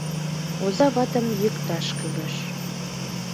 Оза ватым йӱкташ кӱлеш.